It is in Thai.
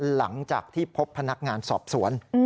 หลังจากที่พบพนักงานสอบสวน